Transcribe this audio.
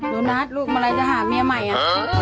โดนัทลูกเมื่อไรจะหาเมียใหม่อ่ะ